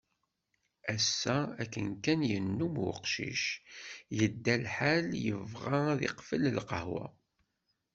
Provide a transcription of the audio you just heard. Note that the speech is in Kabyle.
Ass-a akken kan yennum uqcic, yedda lḥal yebɣa ad iqfel lqahwa.